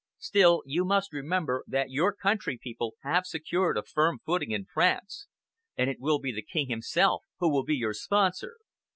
Still, you must remember that your country people have secured a firm footing in France, and it will be the King himself who will be your sponsor."